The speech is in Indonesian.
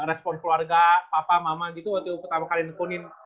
respon keluarga papa mama gitu waktu pertama kali nekunin